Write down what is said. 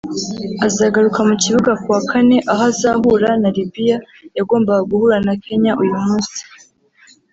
azagaruka mu kibuga ku wa kane aho azahura na Libya yagombaga guhura na Kenya uyu munsi